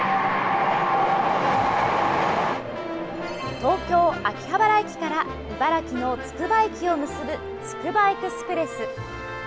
東京・秋葉原駅から茨城のつくば駅を結ぶつくばエクスプレス。